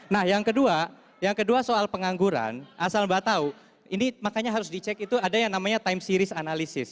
nah yang kedua yang kedua soal pengangguran asal mbak tahu ini makanya harus dicek itu ada yang namanya time series analisis